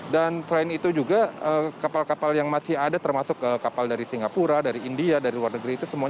dan selain itu juga kapal kapal yang masih ada termasuk kapal dari singapura dari india dari luar negeri itu